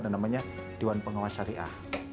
namanya dewan pengawas syariah